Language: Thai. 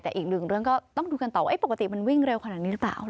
แต่อีกหนึ่งเรื่องก็ต้องดูกันต่อว่าปกติมันวิ่งเร็วขนาดนี้หรือเปล่า